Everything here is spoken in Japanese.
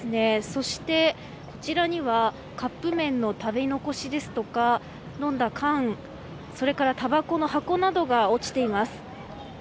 そして、こちらにはカップめんの食べ残しですとか飲んだ缶、それからたばこの箱などが落ちています。